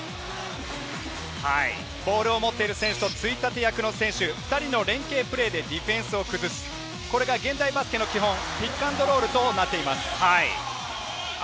ボールを持ってる選手とついたて役の選手、２人の連係プレーでディフェンスを崩す、これが現代バスケの基本、ピックアンドロールとなっています。